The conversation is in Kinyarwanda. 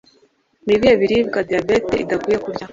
Ni ibihe biribwa diyabete idakwiye kurya?